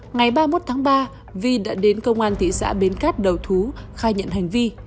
ngày ba mươi một tháng ba vi đã đến công an thị xã bến cát đầu thú khai nhận hành vi